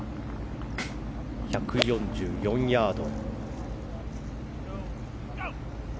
１４４ヤード。